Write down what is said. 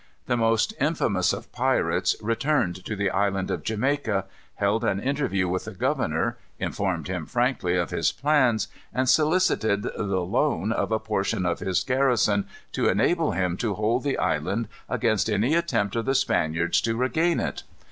This most infamous of pirates returned to the Island of Jamaica, held an interview with the governor, informed him frankly of his plans, and solicited the loan of a portion of his garrison to enable him to hold the island against any attempt of the Spaniards to regain it.